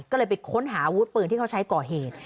ก็เลยไปค้นหาอาวุธปืนที่เขาใช้ก่อเหตุ